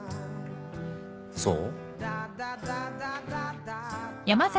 そう？